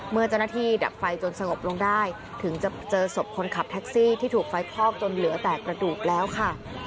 เมื่อเจ้าหน้าที่ดับไฟจนสงบลงได้ถึงจะเจอศพคนขับแท็กซี่ที่ถูกไฟคลอกจนเหลือแต่กระดูกแล้วค่ะ